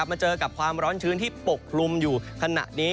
มาเจอกับความร้อนชื้นที่ปกคลุมอยู่ขณะนี้